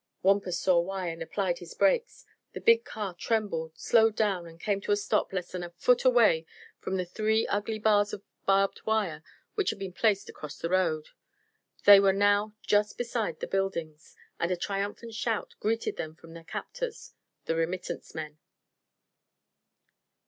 Wampus saw why, and applied his brakes. The big car trembled, slowed down, and came to a stop less than a foot away from three ugly bars of barbed wire which had been placed across the road. They were now just beside the buildings, and a triumphant shout greeted them from their captors, the remittance men.